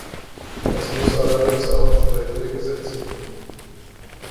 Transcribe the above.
Es muss allerdings auch entsprechende Gesetze geben.